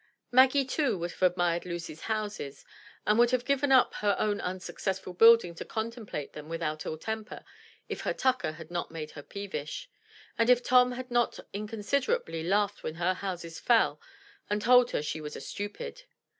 Maggie, too, would have admired Lucy's houses and would have given up her own unsuccessful building to contemplate them without ill temper if her tucker had not made her peevish, and if Tom had not inconsiderately laughed when her houses fell and told her she was "a stupid."